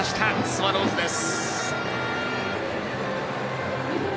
スワローズです。